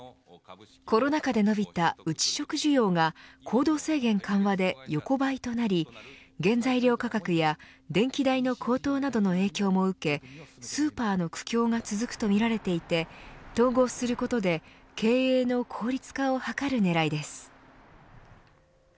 コロナ禍で伸びた内食需要が行動制限緩和で横ばいとなり原材料価格や電気代の高騰などの影響も受けスーパーの苦境が続くとみられていて統合することで経営の効率化を図る狙いです。